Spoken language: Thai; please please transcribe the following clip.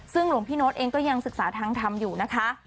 ซึ่งหลวงพี่โน๊ตเองก็ยังศึกษาทางทำอยู่นะคะ